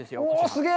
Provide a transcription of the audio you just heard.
すげえ。